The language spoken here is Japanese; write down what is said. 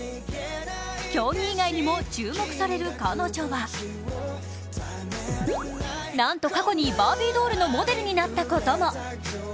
競技以外にも注目される彼女はなんと過去にバービードールのモデルになったことも。